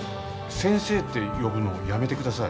先生って呼ぶのやめてください。